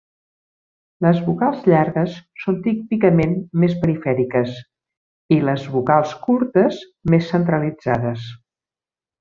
Les vocals llargues són típicament més perifèriques i les vocals curtes més centralitzades.